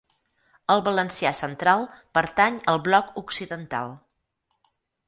El valencià central pertany al bloc occidental.